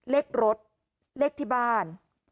เลขรถเลขที่บ้าน